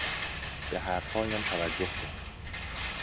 به حرفهایم توجه کن!